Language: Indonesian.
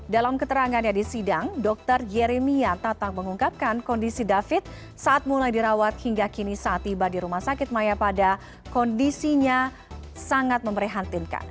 dalam keterangannya di sidang dr yeremia tatang mengungkapkan kondisi david saat mulai dirawat hingga kini saat tiba di rumah sakit mayapada kondisinya sangat memerihatinkan